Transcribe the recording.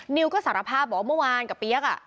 นิวก็สารภาพบอกว่าเมื่อวานกับเปี๊ยก